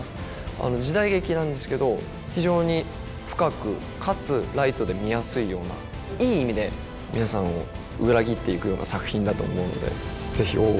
あの時代劇なんですけど非常に深くかつライトで見やすいようないい意味で皆さんを裏切っていくような作品だと思うのでぜひ「大奥」